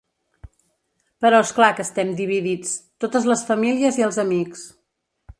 Però és clar que estem dividits, totes les famílies i els amics.